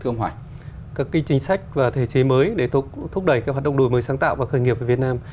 các chính sách và thể chế mới để thúc đẩy các hoạt động đổi mới sáng tạo và khởi nghiệp của việt nam